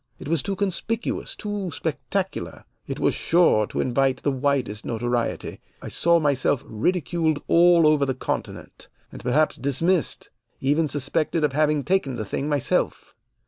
It was too conspicuous, too spectacular. It was sure to invite the widest notoriety. I saw myself ridiculed all over the Continent, and perhaps dismissed, even suspected of having taken the thing myself.